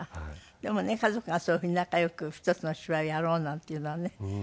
でもね家族がそういうふうに仲良く一つの芝居をやろうなんていうのはねいいと思いますよ。